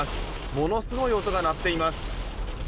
ものすごい音が鳴っています。